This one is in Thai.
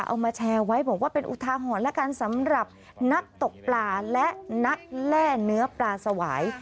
เอามาแชร์ไว้บอกว่าเป็นอุทาหรณ์แล้วกันสำหรับนักตกปลาและนักแล่เนื้อปลาสวาย